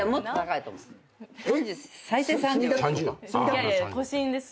いやいや都心ですよ。